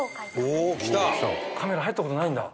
カメラ入った事ないんだ。